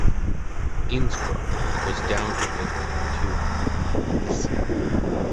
Innsbruck was downgraded to a lyceum.